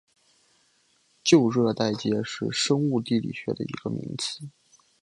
旧热带界是生物地理学的一个名词。